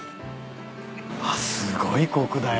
あっすごいコクだよ